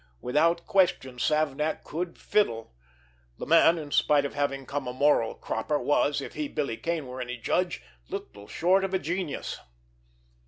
Without question Savnak could "fiddle"; the man, in spite of having come a moral cropper, was, if he, Billy Kane, were any judge, little short of a genius.